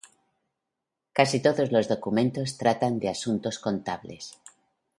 Casi todos los documentos tratan de asuntos contables.